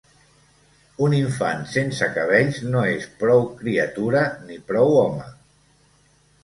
Un infant sense cabells no és prou criatura ni prou home.